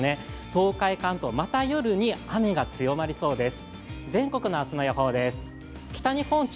東海、関東、また夜に雨が強まりそうです。